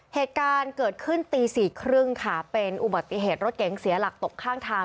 เหตุการณ์เกิดขึ้นตีสี่ครึ่งค่ะเป็นอุบัติเหตุรถเก๋งเสียหลักตกข้างทาง